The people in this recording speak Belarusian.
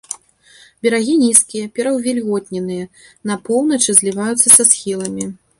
Берагі нізкія, пераўвільготненыя, на поўначы зліваюцца са схіламі.